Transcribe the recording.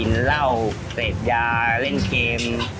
กินเร้าเตรียดยาและเล่นเกม